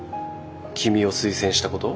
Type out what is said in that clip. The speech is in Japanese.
君を推薦したこと？